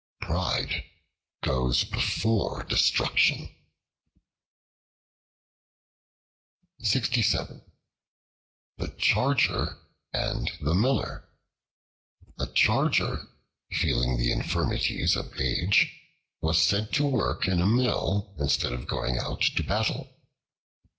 Pride goes before destruction. The Charger and the Miller A CHARGER, feeling the infirmities of age, was sent to work in a mill instead of going out to battle.